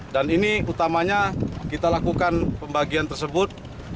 dan ini utamanya kita lakukan pembagian tersebut